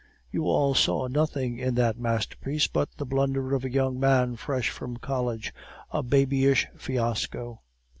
You all saw nothing in that masterpiece but the blunder of a young man fresh from college, a babyish fiasco.